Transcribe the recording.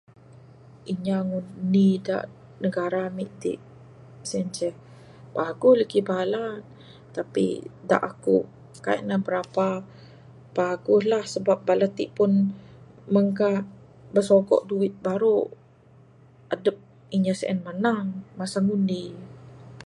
Inya ngundi da negara amik tik sien ceh, paguh lagi bala. Tapi dak akuk, kaik ne brapa paguh lah sebab bala tik pun mangkak besogok duit baru adup inya sien manang. Masa ngundi.